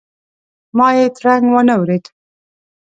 ما یې ترنګ وانه ورېد.